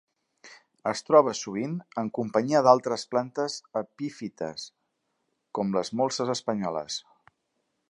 Es troba sovint en companyia d'altres plantes epífites com les molses espanyoles.